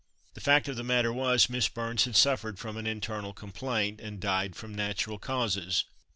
The fact of the matter was, Miss Burns had suffered from an internal complaint, and died from natural causes.